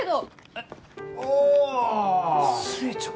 えっ寿恵ちゃん？